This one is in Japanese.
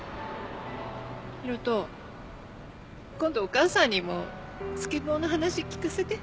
大翔今度お母さんにもスケボーの話聞かせて。